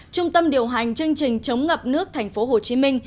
trung tâm điều hành chương trình chống ngập nước tp hcm